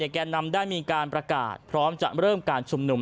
แก่นำได้มีการประกาศพร้อมจะเริ่มการชุมนุม